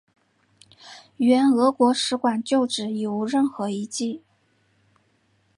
原俄国使馆旧址已无任何遗迹。